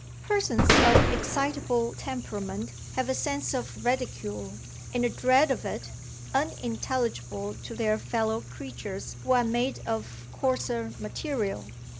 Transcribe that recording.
Persons of excitable temperament have a sense of ridicule, and a dread of it, unintelligible to their fellow creatures who are made of coarser material.